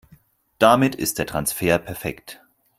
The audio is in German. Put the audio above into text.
Damit ist der Transfer perfekt.